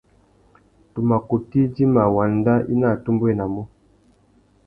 Tu mà kutu idjima wanda i nú atumbéwénamú.